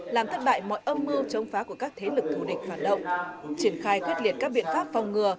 làm thất bại mọi âm mưu chống phá của các thế lực thù địch phản động triển khai quyết liệt các biện pháp phòng ngừa